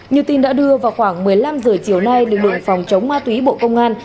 như tin đã đưa vào khoảng một mươi năm h chiều nay lực lượng phòng chống ma túy bộ công an